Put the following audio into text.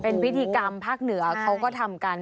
เป็นพิธีกรรมภาคเหนือเขาก็ทำกัน